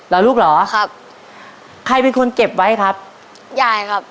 เหรอลูกเหรอครับใครเป็นคนเก็บไว้ครับยายครับ